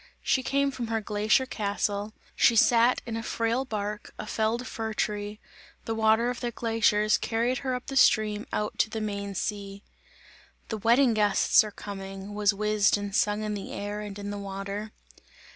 She came from her glacier castle, she sat in a frail bark, a felled fir tree; the water of the glaciers carried her up the stream out to the main sea. "The wedding guests are coming!" was whizzed and sung in the air and in the water.